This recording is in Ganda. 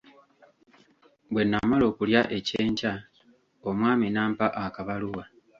Bwe namala okulya ekyenkya omwami n'ampa akabaluwa.